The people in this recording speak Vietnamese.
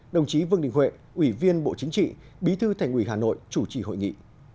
đồng chí vương đình huệ ủy viên bộ chính trị bí thư thành ủy hà nội chủ trì hội nghị